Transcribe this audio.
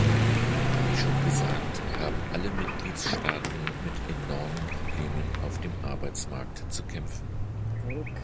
Wie schon gesagt, haben alle Mitgliedstaaten mit enormen Problemen auf dem Arbeitsmarkt zu kämpfen.